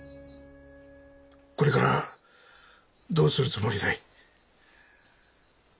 これからどうするつもりだい？